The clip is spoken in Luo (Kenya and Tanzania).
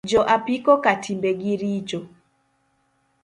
Jo apiko ka timbe gi richo